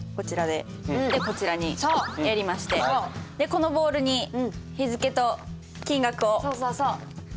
でこちらにやりましてこのボールに日付と金額を入れますね。